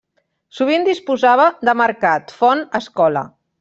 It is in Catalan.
Sovint disposava de mercat, font, escola.